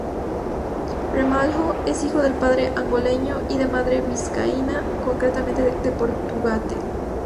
Ramalho es hijo de padre angoleño y de madre vizcaína, concretamente de Portugalete.